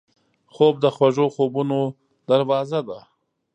خوب د خوږو خوبونو دروازه ده